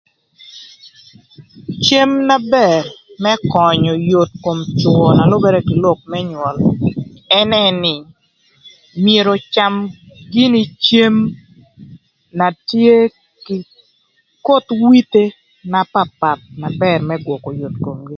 Cem na bër më könyö yot kom cwö na lübërë kï lok më nywöl ënë nï, myero öcam gïnï cem na tye kï koth withe na papath na bër më gwökö yot komgï.